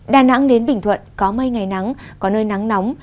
đà nẵng đến bình thuận có mây ngày nắng có nơi nắng nóng